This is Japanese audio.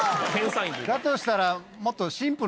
だとしたらもっと。